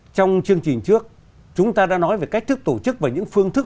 trong chương trình trước chúng ta đã nói về cách thức tổ chức và những phương thức